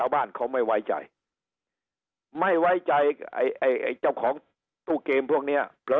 บ้านเขาไม่ไว้ใจไม่ไว้ใจไอ้ไอ้เจ้าของตู้เกมพวกเนี้ยเผลอ